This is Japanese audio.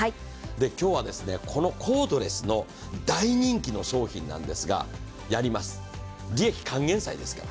今日はコードレスの大人気の商品なんですがやります、利益還元祭ですから。